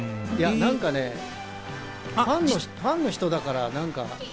なんかファンの人だから。